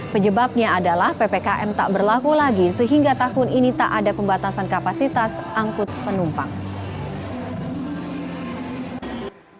penyebabnya adalah ppkm tak berlaku lagi sehingga tahun ini tak ada pembatasan kapasitas angkut penumpang